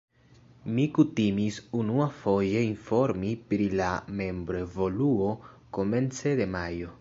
Mi kutimis unuafoje informi pri la membroevoluo komence de majo.